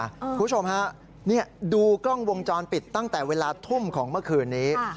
คุณผู้ชมฮะนี่ดูกล้องวงจรปิดตั้งแต่เวลาทุ่มของเมื่อคืนนี้